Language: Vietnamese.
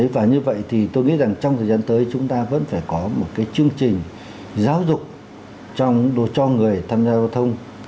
và như vậy thì tôi nghĩ rằng trong thời gian tới chúng ta vẫn phải có một chương trình giáo dục cho người tham gia giao thông